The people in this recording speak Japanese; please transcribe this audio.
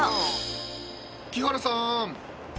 木原さーん！